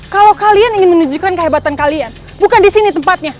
kalau kalian ingin menunjukkan kehebatan kalian bukan disini tempatnya